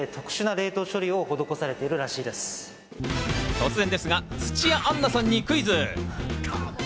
突然ですが、土屋アンナさんにクイズ。